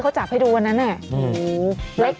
เขาจับให้ดูวันนั้นไหนฮือ